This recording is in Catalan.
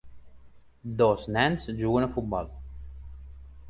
Dos nens juguen a futbol.